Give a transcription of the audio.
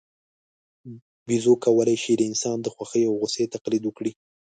بیزو کولای شي د انسان د خوښۍ او غوسې تقلید وکړي.